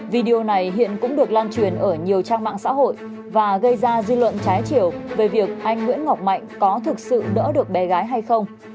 video này hiện cũng được lan truyền ở nhiều trang mạng xã hội và gây ra dư luận trái chiều về việc anh nguyễn ngọc mạnh có thực sự đỡ được bé gái hay không